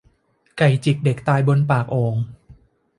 ไก่จิกเด็กตายบนปากโอ่ง